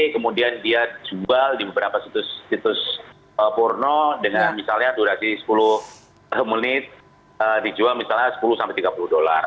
kemudian dia jual di beberapa situs situs porno dengan misalnya durasi sepuluh menit dijual misalnya sepuluh sampai tiga puluh dolar